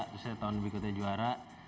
terus saya tahun berikutnya juara